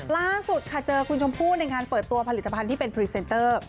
ล่าสุดค่ะเจอคุณชมพู่ในงานเปิดตัวผลิตภัณฑ์ที่เป็นพรีเซนเตอร์